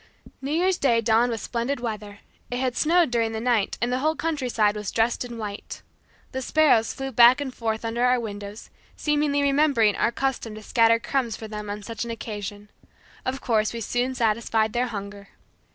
New Year's Day dawned with splendid weather. It had snowed during the night and the whole countryside was dressed in white. The sparrows flew back and forth under our windows, seemingly remembering our custom to scatter crumbs for them on such an occasion. Of course, we soon satisfied their hunger.